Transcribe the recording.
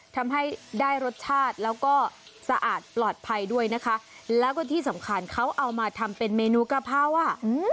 ทำให้ได้รสชาติแล้วก็สะอาดปลอดภัยด้วยนะคะแล้วก็ที่สำคัญเขาเอามาทำเป็นเมนูกะเพราอ่ะอืม